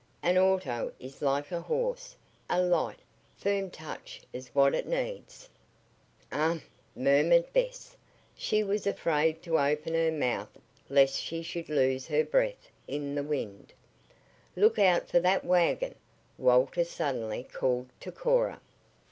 An auto is like a horse a light, firm touch is what it needs." "Um!" murmured Bess. She was afraid to open her mouth lest she should lose her breath in the wind. "Look out for that wagon!" Walter suddenly called to Cora.